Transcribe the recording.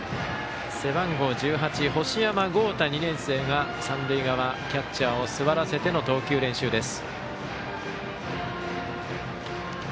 背番号１８星山豪汰、２年生が三塁側キャッチャーを座らせての投球練習です。